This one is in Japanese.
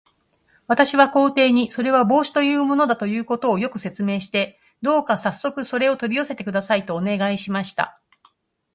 私は皇帝に、それは帽子というものだということを、よく説明して、どうかさっそくそれを取り寄せてください、とお願いしました。